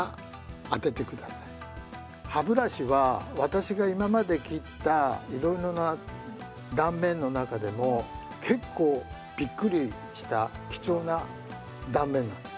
歯ブラシは私が今まで切ったいろいろな断面の中でも結構びっくりした貴重な断面なんです。